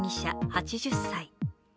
８０歳。